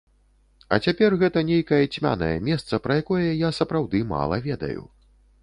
А цяпер гэта нейкае цьмянае месца, пра якое я сапраўды мала ведаю.